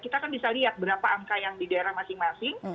kita kan bisa lihat berapa angka yang di daerah masing masing